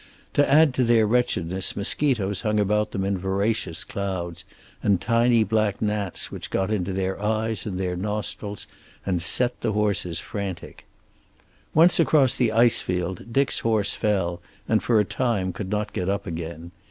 To add to their wretchedness mosquitoes hung about them in voracious clouds, and tiny black gnats which got into their eyes and their nostrils and set the horses frantic. Once across the ice field Dick's horse fell and for a time could not get up again.